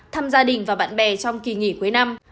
thăm gia đình và bạn bè trong kỳ nghỉ cuối năm